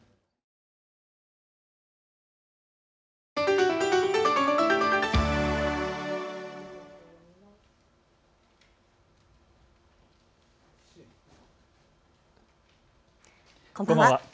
こんばんは。